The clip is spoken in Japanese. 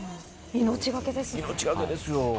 命懸けですよね。